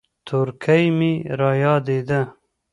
تورکى مې رايادېده.